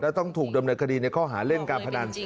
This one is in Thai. ต้องถูกดำเนินคดีในข้อหาเล่นการพนัน